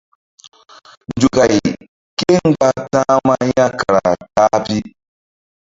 Nzukay kémgba ta̧hma ya kara ta-a pi.